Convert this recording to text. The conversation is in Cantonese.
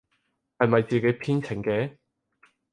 係咪自己編程嘅？